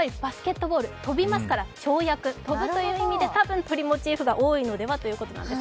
なぜかといいますとバスケットボール、跳びますから跳躍、飛ぶということで多分、鳥モチーフが多いのではということなんです。